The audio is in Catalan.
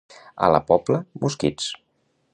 A la Pobla, mosquits.